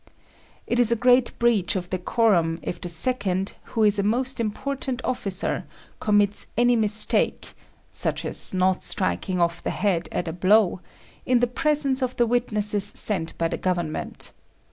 It is a great breach of decorum if the second, who is a most important officer, commits any mistake (such as not striking off the head at a blow) in the presence of the witnesses sent by the Government.